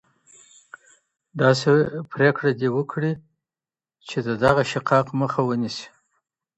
داسي پريکړه دي وکړي، چي د دغه شقاق مخه ونيسي.